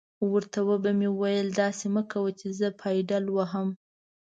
ور ته به مې ویل: داسې مه کوه چې زه پایډل وهم.